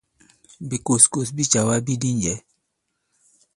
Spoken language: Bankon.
Bìkòskòs bi càwa ibi di njɛ̌.